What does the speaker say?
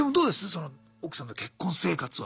その奥さんと結婚生活は。